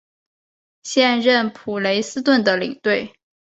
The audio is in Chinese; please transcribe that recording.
现任普雷斯顿的领队。